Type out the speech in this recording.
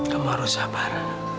kamu harus sabar